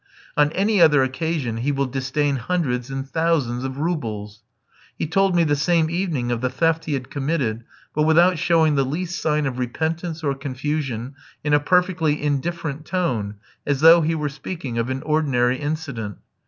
On any other occasion he will disdain hundreds and thousands of roubles. He told me the same evening of the theft he had committed, but without showing the least sign of repentance or confusion, in a perfectly indifferent tone, as though he were speaking of an ordinary incident.